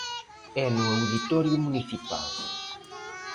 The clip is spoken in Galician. É no auditorio municipal.